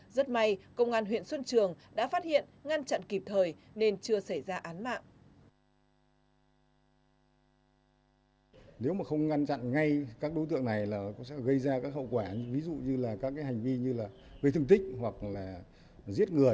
rất may công an huyện xuân trường đã phát hiện ngăn chặn kịp thời nên chưa xảy ra án mạng